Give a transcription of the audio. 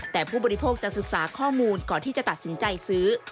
แต่ผู้บริโภคจะศึกษาข้อมูลก่อนที่จะตัดสินใจซื้อ